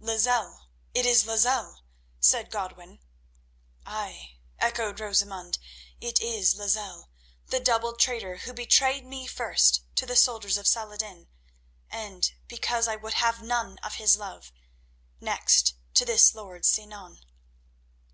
"Lozelle! It is Lozelle!" said Godwin. "Ay," echoed Rosamund, "it is Lozelle, the double traitor, who betrayed me first to the soldiers of Saladin, and, because I would have none of his love, next to this lord Sinan."